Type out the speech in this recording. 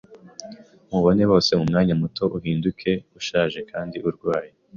mubone bose mumwanya muto uhinduke ushaje kandi urwaye.